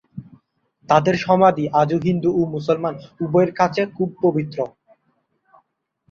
তাদের সমাধি আজও হিন্দু ও মুসলমান উভয়েরই কাছে খুব পবিত্র।